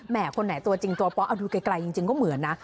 คนไหนตัวจริงตัวป๊ะเอาดูไกลจริงก็เหมือนนะ